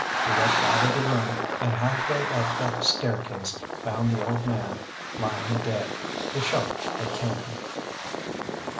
He rushed out of the room, and half way up the staircase found the old may lying dead. The shock had killed him."